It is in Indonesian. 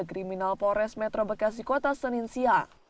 kriminal polres metro bekasi kota senin siang